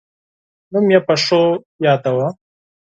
نوم یې په ښو یاداوه.